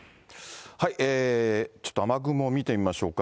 ちょっと雨雲見てみましょうか。